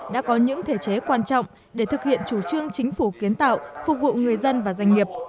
đã có những thể chế quan trọng để thực hiện chủ trương chính phủ kiến tạo phục vụ người dân và doanh nghiệp